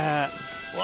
うわ！